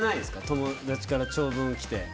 友達から長文が来て。